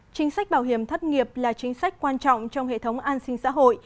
chính sách bảo hiểm thất nghiệp là chính sách quan trọng trong hệ thống an sinh xã hội